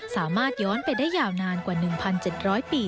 สามารถย้อนไปได้ยาวนานกว่า๑๗๐๐ปี